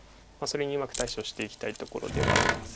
それにうまく対処していきたいところではあります。